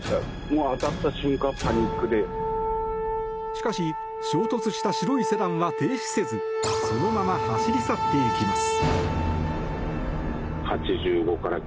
しかし、衝突した白いセダンは停止せずそのまま走り去っていきます。